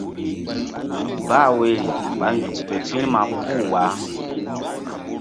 Bah woyri ɓa nzuk fe firma puh wah.